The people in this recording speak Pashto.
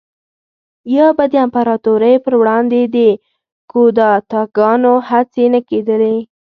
یا به د امپراتورۍ پروړاندې د کودتاګانو هڅې نه کېدلې